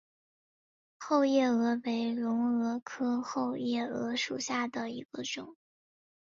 后夜蛾为隆蛾科后夜蛾属下的一个种。